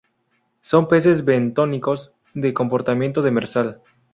Son peces bentónicos, de comportamiento demersal.